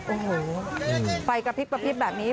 โอ้โฮไฟกระพริบแบบนี้